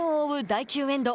第９エンド。